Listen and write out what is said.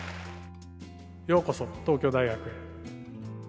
ようこそ、東京大学へ。